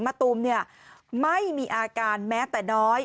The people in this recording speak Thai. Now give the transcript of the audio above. ตูมไม่มีอาการแม้แต่น้อย